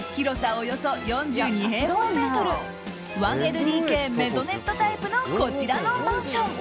およそ４２平方メートル１ＬＤＫメゾネットタイプのこちらのマンション。